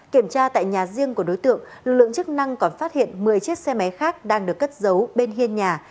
kiểm tra tại nhà riêng của đối tượng lực lượng chức năng còn phát hiện một mươi chiếc xe máy khác đang được cất giấu bên hiên nhà